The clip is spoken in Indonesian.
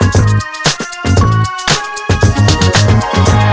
lairo aku pengen pulang